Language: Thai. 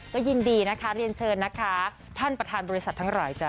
ก็ยินดีนะคะเรียนเชิญนะคะท่านประธานบริษัททั้งหลายจ้